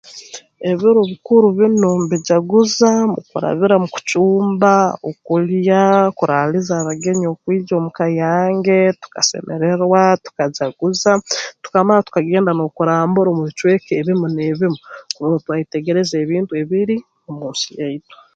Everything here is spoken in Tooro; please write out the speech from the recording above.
Ebiro bikuru binu mubijaguza mu kurabira mu kucumba okulya kuraaliza abagenyi okwija omuka yange tukasemererwa tukajaguza tukamara tukagenda n'okurambura omu bicweka ebimu n'ebimu kurora kwetegereza ebintu ebiri omu nsi yaitu